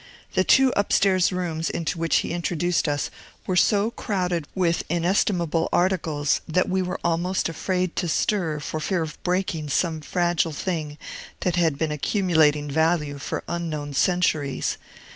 The two up stair rooms into which he introduced us were so crowded with inestimable articles, that we were almost afraid to stir for fear of breaking some fragile thing that had been accumulating value for unknown centuries.